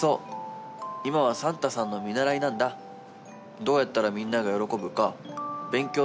どうやったらみんなが喜ぶか